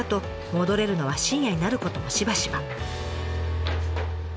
戻れるのは深夜になることもしばしば。